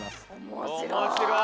面白い！